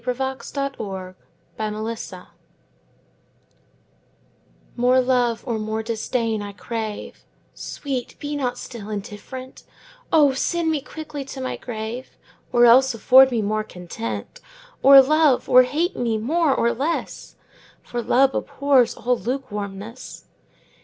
Against Indifference MORE love or more disdain I crave; Sweet, be not still indifferent: O send me quickly to my grave, Or else afford me more content! Or love or hate me more or less, 5 For love abhors all lukewarmness.